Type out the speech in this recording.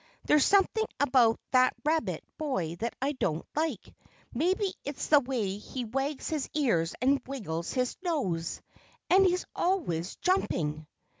There's something about that Rabbit boy that I don't like. Maybe it's the way he wags his ears and wriggles his nose. And he's always jumping."